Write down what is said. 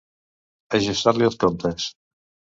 Ajustar-li els comptes.